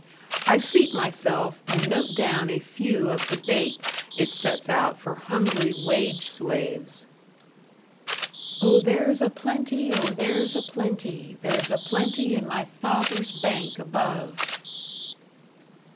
I seat myself and note down a few of the baits it sets out for hungry wage slaves: O, there's a plenty, O, there's a plenty, There's a plenty in my Father's bank above!